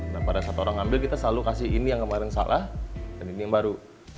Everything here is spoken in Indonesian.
nah pada saat orang ngambil kita selalu kasih ini yang kemarin salah dan ini yang baru